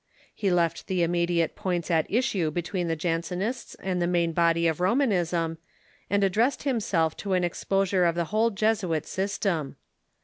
He left the immediate points at issue be tween the Jansenists and the main body of Romanism, and addressed himself to an exposure of the whole Jesuit system.